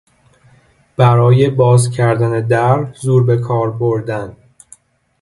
برای باز کردن در زور به کار بردن